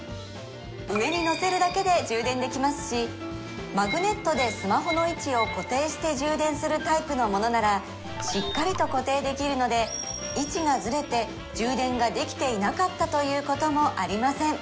上に乗せるだけで充電できますしマグネットでスマホの位置を固定して充電するタイプのものならしっかりと固定できるので位置がずれて充電ができていなかったということもありません